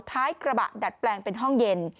ท้ายกระบะดัดแปลงเป็นห้องเย็น